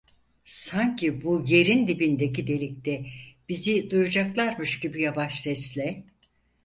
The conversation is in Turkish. Sanki bu yerin dibindeki delikte bizi duyacaklarmış gibi, yavaş sesle: